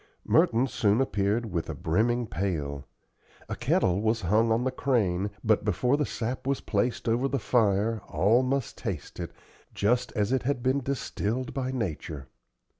Merton soon appeared with a brimming pail. A kettle was hung on the crane, but before the sap was placed over the fire all must taste it, just as it had been distilled by nature.